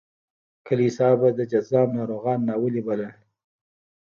کلیسا به د جذام ناروغان ناولي بلل.